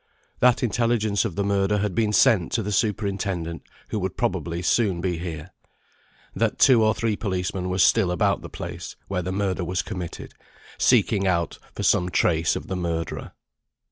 That intelligence of the murder had been sent to the superintendent, who would probably soon be here. That two or three policemen were still about the place where the murder was committed, seeking out for some trace of the murderer.